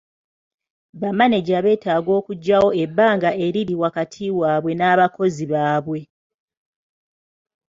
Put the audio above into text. Bamaneja beetaaga okuggyawo ebbanga eriri wakati waabwe n'abakozi baabwe.